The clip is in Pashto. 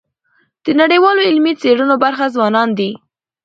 د نړیوالو علمي څيړنو برخه ځوانان دي.